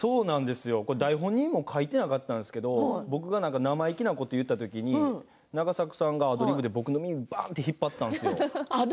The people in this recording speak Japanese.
これ台本にも書いてなかったんですけど僕が生意気なことを言った時に永作さんがアドリブで、僕の耳バーンって引っ張ったんですよ。